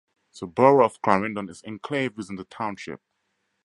The Borough of Clarendon is enclaved within the Township.